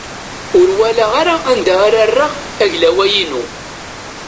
Ur walaɣ ara anda ara rreɣ aglaway-inu.